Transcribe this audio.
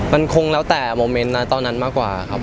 มันคงแล้วแต่โมเมนต์นะตอนนั้นมากกว่าครับ